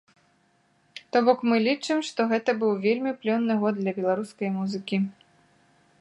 То бок, мы лічым, што гэта быў вельмі плённы год для беларускай музыкі.